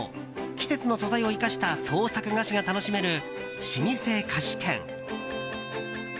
季節の素材を生かした創作菓子が楽しめる、老舗菓子店。